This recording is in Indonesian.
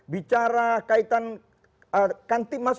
bicara kaitan kantip mas